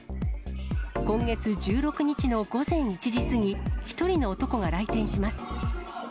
今月１６日の午前１時過ぎ、１人の男が来店します。